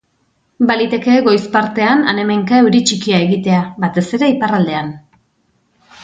Baliteke, goiz partean, han-hemenka euri txikia egitea, batez ere iparraldean.